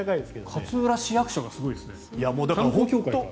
勝浦市役所がすごいですね。